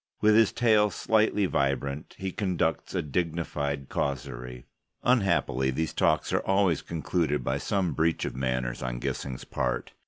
With his tail slightly vibrant, he conducts a dignified causerie. Unhappily, these talks are always concluded by some breach of manners on Gissing's part.